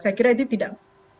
saya kira itu tidak